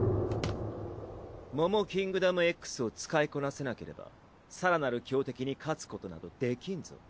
モモキングダムＸを使いこなせなければ更なる強敵に勝つことなどできんぞ。